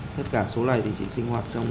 tất cả số này thì chỉ sinh hoạt trong